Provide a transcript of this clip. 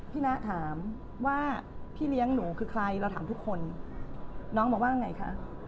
นะถามว่าพี่เลี้ยงหนูคือใครเราถามทุกคนน้องบอกว่าไงคะ